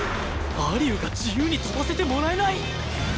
蟻生が自由に跳ばせてもらえない！？